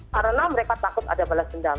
karena mereka takut ada balas dendam